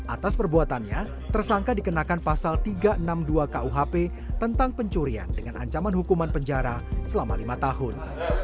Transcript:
atas perbuatannya tersangka dikenakan pasal tiga ratus enam puluh dua kuhp tentang pencurian dengan ancaman hukuman penjara selama lima tahun